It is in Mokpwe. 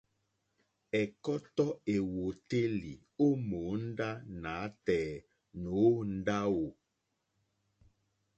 Ɛ̀kɔ́tɔ́ èwòtélì ó mòóndá nǎtɛ̀ɛ̀ nǒ ndáwù.